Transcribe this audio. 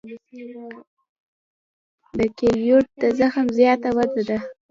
د کیلویډ د زخم زیاته وده ده.